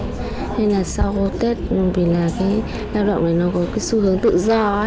thế là sau tết vì là cái lao động này nó có cái xu hướng tự do ấy